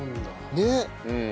ねっ。